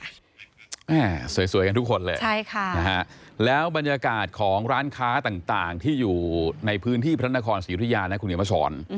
แม่สวยกันทุกคนเลยใช่ค่ะนะฮะแล้วบรรยากาศของร้านค้าต่างที่อยู่ในพื้นที่พระนครศรีอุทยานะคุณเหนียวมาสอน